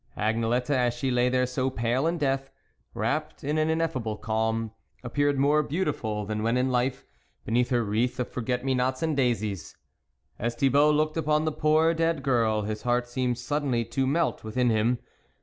Agnelette, as she lay there so pale in death, wrapped in an ineffable calm, appeared more beautiful than when in life, beneath her wreath of forget me nots and daisies. As Thibault looked upon the poor dead girl, his heart seemed suddenly to melt within him.